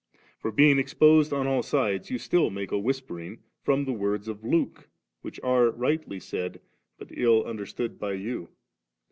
For being exposed on all sides, you still make a whispering^ from the words of Luke, which Bxe rightly said, but ill understood by you.